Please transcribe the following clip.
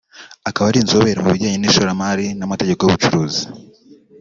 akaba ari inzobere mu bijyanye n’ishoramari n’amategeko y’ubucuruzi